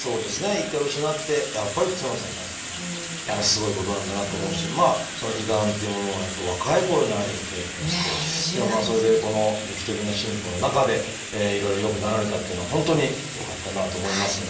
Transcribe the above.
一回失ってやっぱり普通の生活っていうのはやっぱりすごいことなんだなと思うし胃がんっていうものがやっぱり若いころにあれだけ経験してそれでこの劇的な進歩の中でいろいろ良くなられたっていうのは本当によかったなと思いますが。